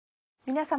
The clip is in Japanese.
皆様。